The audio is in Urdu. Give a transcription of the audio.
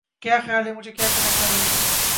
کیا خیال ہے مجھے کیا کرنا چاہئے